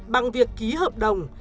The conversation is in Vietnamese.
bằng việc ký hợp đồng